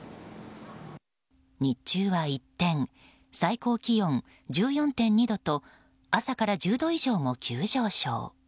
日中は一転最高気温１４．２度と朝から１０度以上も急上昇。